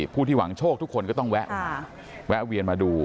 ผู้ที่หวังโชคทุกคนก็ต้องแวะเวียนมาดู